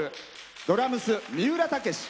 ドラムス、三浦剛志。